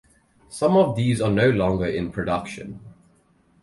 Some of these are no longer in production.